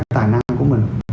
tài năng của mình